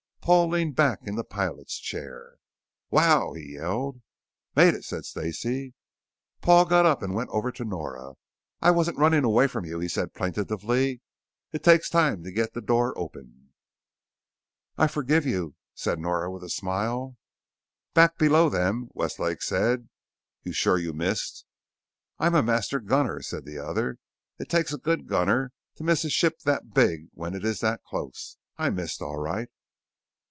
Paul leaned back in the pilot's chair. "Wow!" he yelped. "Made it!" said Stacey. Paul got up and went over to Nora. "I wasn't running away from you," he said plaintively. "It takes time to get the door open " "I forgive you," said Nora with a smile. Back below them, Westlake said: "You're sure you missed?" "I'm a master gunner," said the other. "It takes a good gunner to miss a ship that big when it is that close. I missed all right."